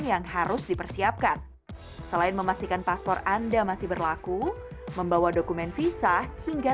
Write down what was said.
yang harus dipersiapkan selain memastikan paspor anda masih berlaku membawa dokumen visa hingga